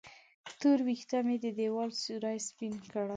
تور وېښته مې د دیوال سیورې سپین کړي